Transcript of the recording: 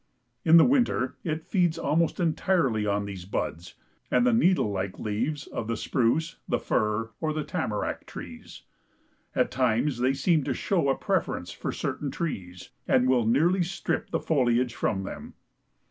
In the winter it feeds almost entirely on these buds, and the needle like leaves of the spruce, the fir or the tamarack trees. At times they seem to show a preference for certain trees, and will nearly strip the foliage from them.